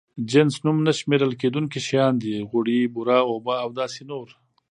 جنس نوم نه شمېرل کېدونکي شيان دي: غوړي، بوره، اوبه او داسې نور.